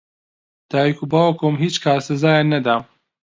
دایک و باوکم هیچ کات سزایان نەدام.